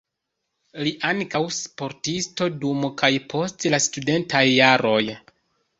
Li estis ankaŭ sportisto dum kaj post la studentaj jaroj.